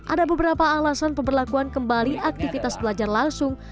ada beberapa alasan pemberlakuan kembali aktivitas belajar langsung